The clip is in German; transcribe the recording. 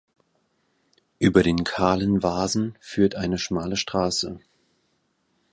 Über den Kahlen Wasen führt eine schmale Straße.